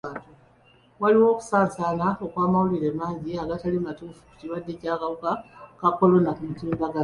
Waliwo okusaasaana kw'amawulire mangi agatali matuufu ku kirwadde ky'akawuka ka kolona ku mitimbagano.